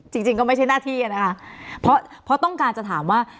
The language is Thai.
จริงจริงก็ไม่ใช่หน้าที่นะคะเพราะต้องการจะถามว่า